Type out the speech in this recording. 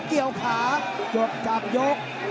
เกี่ยวขาจบจากยก